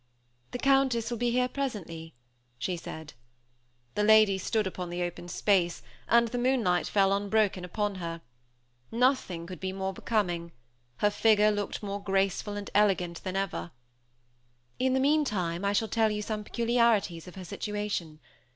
"The Countess will be here presently," she said. The lady stood upon the open space, and the moonlight fell unbroken upon her. Nothing could be more becoming; her figure looked more graceful and elegant than ever. "In the meantime I shall tell you some peculiarities of her situation.